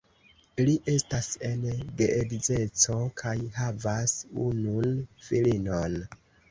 Li estas en geedzeco kaj havas unun filinon.